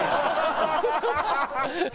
ハハハハ！